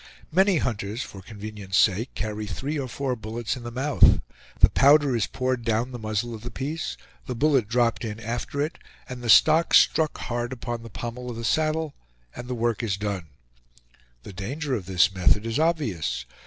Many hunters for convenience' sake carry three or four bullets in the mouth; the powder is poured down the muzzle of the piece, the bullet dropped in after it, the stock struck hard upon the pommel of the saddle, and the work is done. The danger of this method is obvious.